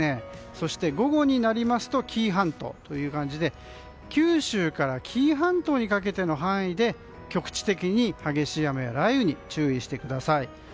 そして、午後になりますと紀伊半島という感じで九州から紀伊半島にかけての範囲で局地的に激しい雨や雷雨に注意してください。